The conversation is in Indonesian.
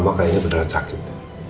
mama kayaknya beneran sakit